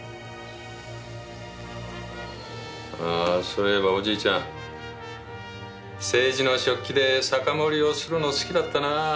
そういえばおじいちゃん青磁の食器で酒盛りをするの好きだったな。